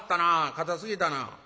硬すぎたな」。